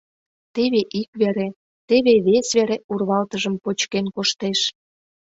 Теве ик вере, теве вес вере урвалтыжым почкен коштеш.